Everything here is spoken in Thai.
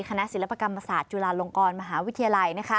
ศิลปกรรมศาสตร์จุฬาลงกรมหาวิทยาลัย